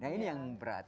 nah ini yang berat